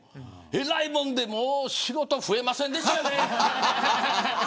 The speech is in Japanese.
えらいもんで仕事増えませんでしたね。